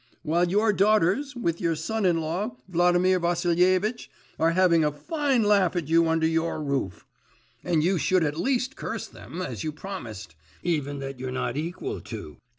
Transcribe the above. While your daughters, with your son in law, Vladimir Vassilievitch, are having a fine laugh at you under your roof. And you should at least curse them, as you promised. Even that you're not equal to.